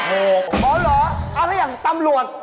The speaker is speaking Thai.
พร้อมเหรอเอาถึงอย่างตำรวจ